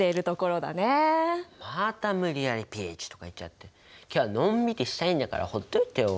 また無理やりｐＨとか言っちゃって今日はのんびりしたいんだからほっといてよ。